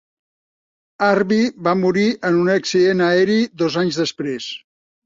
Harbi va morir en un accident aeri dos anys després.